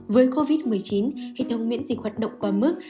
với covid một mươi chín hệ thống miễn dịch hoạt động qua mức